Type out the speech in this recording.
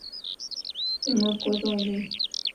ريموٽ ڪوتو ھلئي